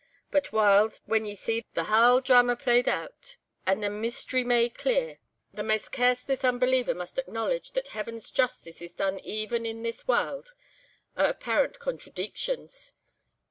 But whiles, when ye see the haill draama played oot, and a meestery made clear, the maist careless unbeliever must acknowledge that Heaven's justice is done even in this warld o' appairent contradeections.